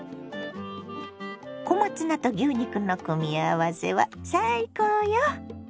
小松菜と牛肉の組み合わせは最高よ。